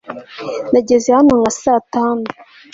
nageze hano nka saa tanu